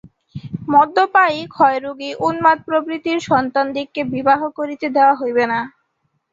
মদ্যপায়ী, ক্ষয়রোগী, উন্মাদ প্রভৃতির সন্তানদিগকে বিবাহ করিতে দেওয়া হইবে না।